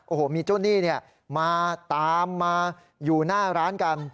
โอ้โหมีเจ้าหนี้เนี่ยมาตามมาอยู่หน้าร้านกัน